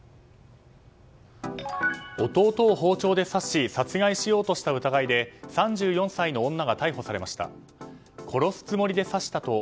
弟を包丁で刺し殺害しようとした疑いで３４歳の女が逮捕されました。